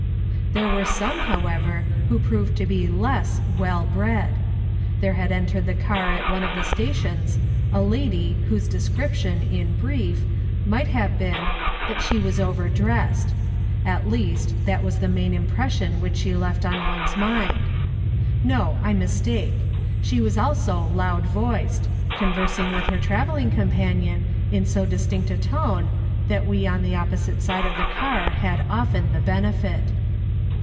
There were some, however, who proved to be less " well bred." There had entered the car at one of the stations a lady whose description, in brief, might have been, that she was over dressed ; at least that was the main impression which she left on one's mind. Xo, I mistake ; she was also loud voiced, conversing with her travelling companion in so dis tinct a tone that we on the opposite side of the car had often the benefit.